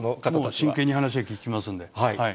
もう真剣に話を聞きますので。